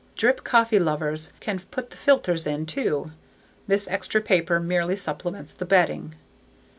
Drip coffee lovers can put the filters in too. This extra paper merely supplements the bedding.